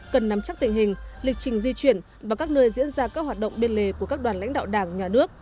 cần nắm chắc tình hình lịch trình di chuyển và các nơi diễn ra các hoạt động biên lề của các đoàn lãnh đạo đảng nhà nước